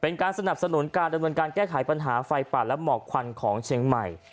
เป็นการสนับสนุนการกรรมทุนการแก้ไขปัญหาไฟปัดและเหมาะควันของเชียงใหม่